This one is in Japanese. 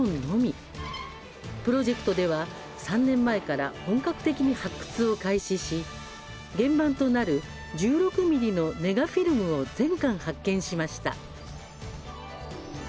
プロジェクトでは３年前から本格的に発掘を開始し原盤となる１６ミリのネガフィルムを全巻発見しました。